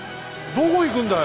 どこ行くんだよ？